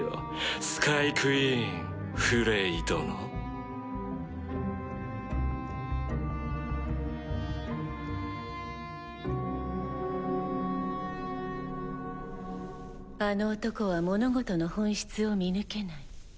スカイクイーンフレイ殿あの男は物事の本質を見抜けない。